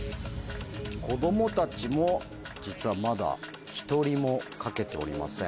子供たちも実はまだ１人も書けておりません。